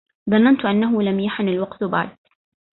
ظننت أنه لم يحن الوقت بعد.